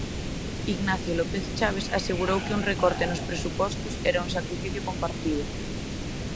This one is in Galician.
Ignacio López Chaves asegurou que o recorte nos presupostos era "un sacrificio compartido".